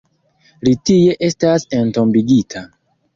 Li tie estas entombigita.